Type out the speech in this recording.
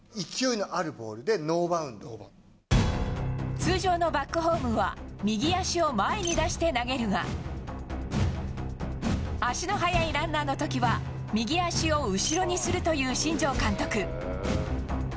通常のバックホームは右足を前に出して投げるが足の速いランナーの時は右足を後ろにするという新庄監督。